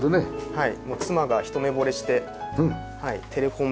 はい。